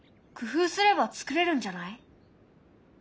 工夫すればつくれるんじゃない？